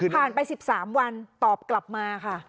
ไป๑๓วันตอบกลับมาค่ะ